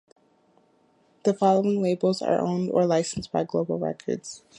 The following labels are owned or licensed by Global Records.